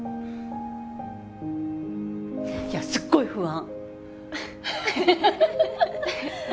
いやすっごい不安。